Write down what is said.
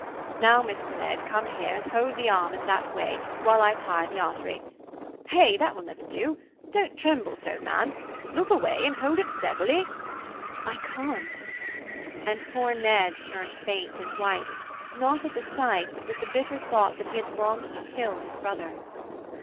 "Now, Mr. Ned, come here, and hold the arm in that way, while I tie the artery. Hey! That will never do. Don't tremble so, man, look away and hold it steadily." "I can't!" And poor Ned turned faint and white, not at the sight but with the bitter thought that he had longed to kill his brother.